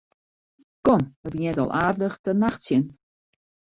Kom, it begjint al aardich te nachtsjen.